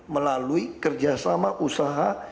melalui kerjasama usaha